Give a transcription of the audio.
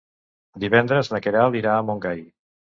Divendres na Queralt irà a Montgai.